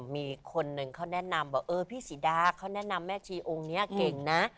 มีคนหนึ่งเขาแนะนำพี่สิดาเขาแนะนำแม่ชีองค์เนี่ยเก่งนะ